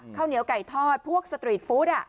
ข้าวเหนียวไก่ทอดพวกสตรีทฟู้ด